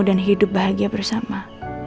dan hidup bahagia bersama